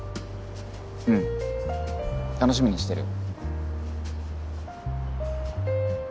うん楽しみにしてる。